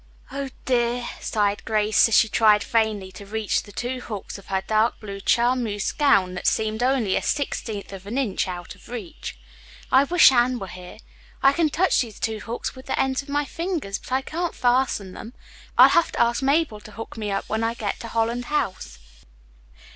"Oh, dear," sighed Grace, as she tried vainly to reach the two hooks of her dark blue charmeuse gown that seemed only a sixteenth of an inch out of reach, "I wish Anne were here. I can touch these two hooks with the ends of my fingers but I can't fasten them. I'll have to ask Mabel to hook me up when I get to Holland House."